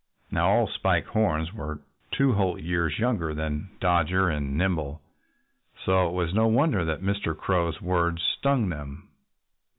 Now, all Spike Horns were two whole years younger than Dodger and Nimble. So it was no wonder that Mr. Crow's words stung them.